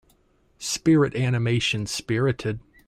Spirit animation Spirited.